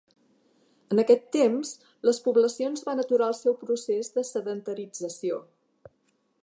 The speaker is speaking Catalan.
En aquest temps les poblacions van aturar el seu procés de sedentarització.